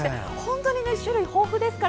種類が豊富ですから